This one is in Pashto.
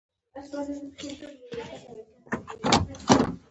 احمد له کلونو سفر وروسته راغی.